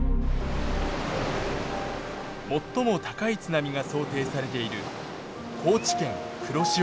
最も高い津波が想定されている高知県黒潮町。